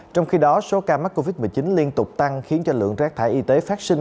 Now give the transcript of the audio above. trong khi đó số ca mắc covid một mươi chín liên tục tăng khiến cho lượng rác thải y tế phát sinh